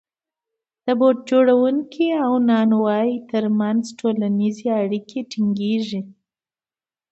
د بوټ جوړونکي او نانوای ترمنځ ټولنیزې اړیکې ټینګېږي